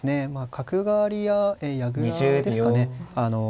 角換わりや矢倉ですかね